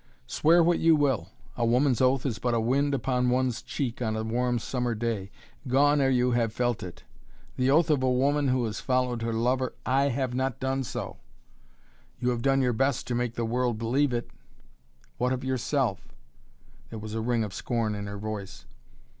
"Swear what you will! A woman's oath is but a wind upon one's cheek on a warm summer day gone ere you have felt it. The oath of a woman who has followed her lover " "I have not done so!" "You have done your best to make the world believe it." "What of yourself?" There was a ring of scorn in her voice.